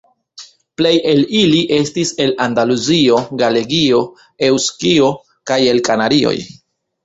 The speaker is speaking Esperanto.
Plej el ili estis el Andaluzio, Galegio, Eŭskio kaj el Kanarioj.